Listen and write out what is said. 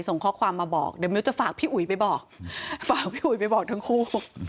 ส่งข้อความมาบอกเดี๋ยวมิวจะฝากพี่อุ๋ยไปบอกฝากพี่อุ๋ยไปบอกทั้งคู่